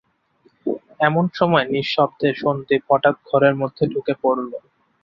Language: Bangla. এমন সময় নিঃশব্দে সন্দীপ হঠাৎ ঘরের মধ্যে ঢুকে পড়ল।